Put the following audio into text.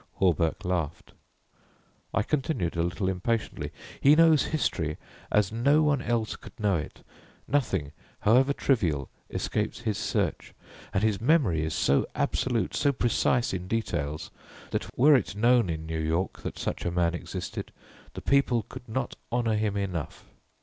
"' Hawberk laughed. I continued a little impatiently: "He knows history as no one else could know it. Nothing, however trivial, escapes his search, and his memory is so absolute, so precise in details, that were it known in New York that such a man existed, the people could not honour him enough."